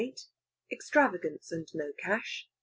EXTRAVAGANCE, AND NO CASH.